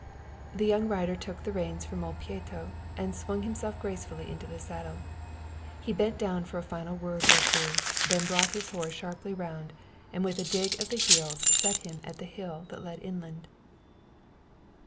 The young rider took the reins from old Pieto and swung himself gracefully into the saddle. He bent down for a final word or two, then brought his horse sharply round and with a dig of the heels set him at the hill that led inland.